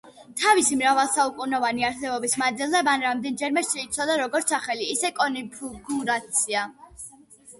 თავისი მრავალსაუკუნოვანი არსებობის მანძილზე მან რამდენიმეჯერ შეიცვალა როგორც სახელი, ისე კონფიგურაცია.